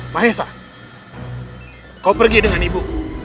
mahesa kau pergi dengan ibu